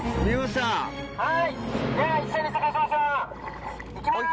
はいでは一緒に探しましょう‼いきます。